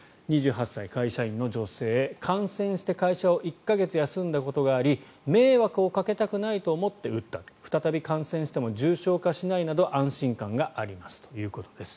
２８歳、会社員の女性感染して会社を１か月休んだことがあり迷惑をかけたくないと思って打った再び感染しても重症化しないなど安心感がありますということです。